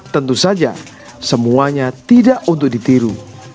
tentu saja semuanya tidak untuk ditiru